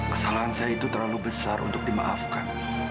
kesalahan saya itu terlalu besar untuk dimaafkan